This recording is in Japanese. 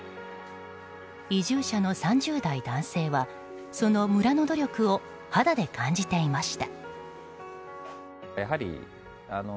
移住者の３０代男性はその村の努力を肌で感じていました。